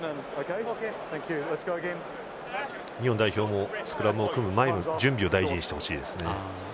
日本代表もスクラムを組む前の準備を大事にしてほしいですね。